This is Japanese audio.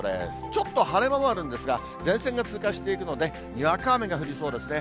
ちょっと晴れ間もあるんですが、前線が通過していくので、にわか雨が降りそうですね。